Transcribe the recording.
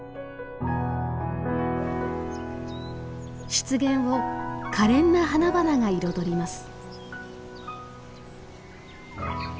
湿原を可憐な花々が彩ります。